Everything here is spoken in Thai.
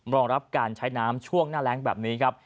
รองรับการใช้น้ำช่วงหน้าแรงแบบนี้ครับ